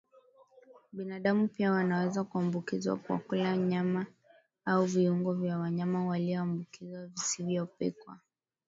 Binadamu pia wanaweza kuambukizwa kwa kula nyama au viungo vya wanyama walioambukizwa visivyopikwa